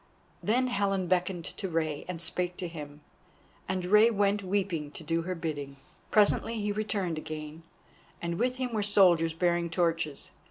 Then Helen beckoned to Rei and spake to him, and Rei went weeping to do her bidding. Presently he returned again, and with him were soldiers bearing torches.